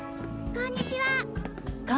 こんにちは！